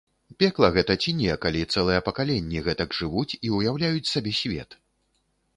Пекла гэта ці не, калі цэлыя пакаленні гэтак жывуць і ўяўляюць сабе свет?